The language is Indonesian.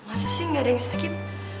masa sih gak ada yang sakit